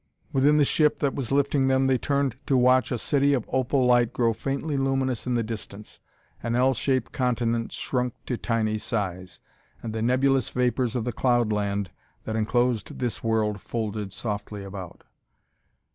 Within the ship that was lifting them, they turned to watch a city of opal light grow faintly luminous in the distance ... an L shaped continent shrunk to tiny size ... and the nebulous vapors of the cloudland that enclosed this world folded softly about.